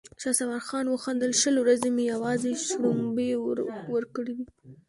شهسوار خان وخندل: شل ورځې مې يواځې شړومبې ورکړې دي!